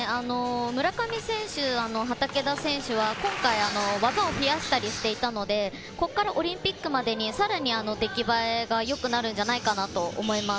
村上選手、畠田選手は今回、技を増やしたりしていたので、ここからオリンピックまでにさらに出来栄えが良くなるんじゃないかなと思います。